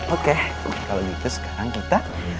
oke kalau gitu sekarang kita